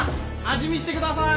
味見してください。